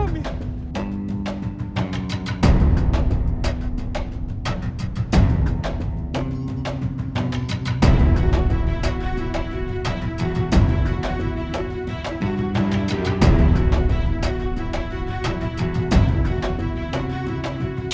dan membaikkan hidup